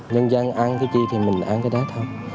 nhân dân ăn cái gì thì mình ăn cái đá thôi